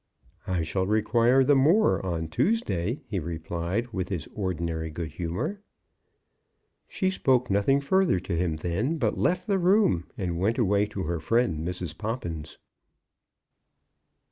"I shall require the more on Tuesday," he replied, with his ordinary good humour. She spoke nothing further to him then, but left the room and went away to her friend Mrs. Poppins.